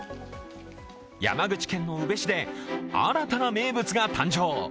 山口県の宇部市で新たな名物が誕生。